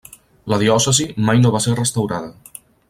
La diòcesi mai no va ser restaurada.